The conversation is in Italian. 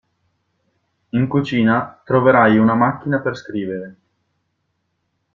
In cucina troverai una macchina per scrivere.